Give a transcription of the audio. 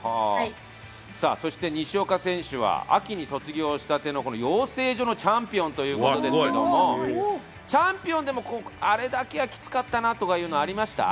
そして西岡選手は秋に卒業したての養成所のチャンピオンということですけど、チャンピオンでも、あれだけはきつかったなというのはありましたか？